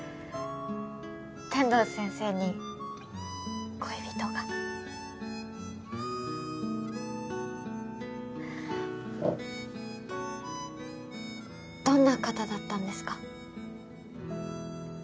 天堂先生に恋人がどんな方だったんですか？